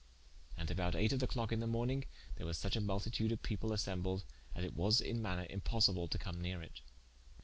And about eight of the clocke in the morning, there was suche a multitude of people assembled, as it was in maner impossible to come nere it.